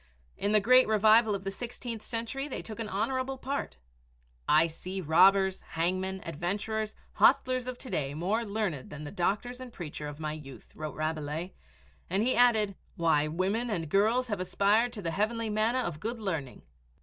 In the great revival of the sixteenth century they took an honorable part. "I see the robbers, hangmen, adventurers, hostlers of to day more learned than the doctors and preacher of my youth," wrote Rabelais, and he added, "why, women and girls have aspired to the heavenly manna of good learning."